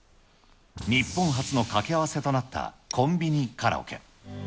日本初の掛け合わせとなったコンビニ×カラオケ。